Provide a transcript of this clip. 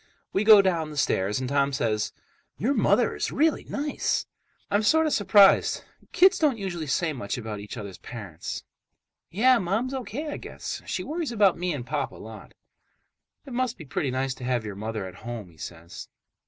We go down the stairs, and Tom says, "Your mother is really nice." I'm sort of surprised—kids don't usually say much about each other's parents. "Yeah, Mom's O.K. I guess she worries about me and Pop a lot." "It must be pretty nice to have your mother at home," he says.